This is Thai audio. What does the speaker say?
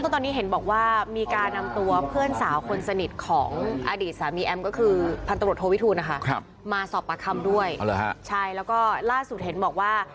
ตอนนี้เห็นบอกว่ามีการนำตัวเพื่อนสาวคนสนิทของอดีตสามีแอมก็คือพรรดโตวิทูนะคะ